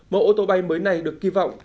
mẫu ô tô bay mới này được kỳ vọng